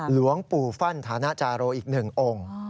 หลวงปู่ฟั่นฐานะจาโรอีก๑องค์